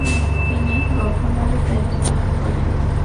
তিনি গভর্নরের দায়িত্ব পালন করেন।